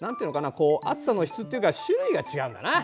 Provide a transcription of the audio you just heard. こう暑さの質っていうか種類が違うんだなあ。